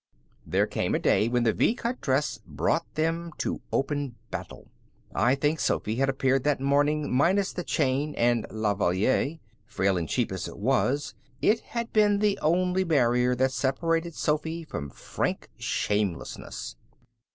There came a day when the V cut dress brought them to open battle. I think Sophy had appeared that morning minus the chain and La Valliere. Frail and cheap as it was, it had been the only barrier that separated Sophy from frank shamelessness.